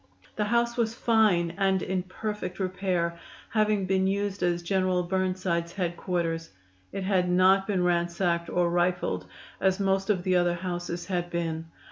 The house was fine and in perfect repair, having been used as General Burnside's headquarters. It had not been ransacked or rifled as most of the other houses had been.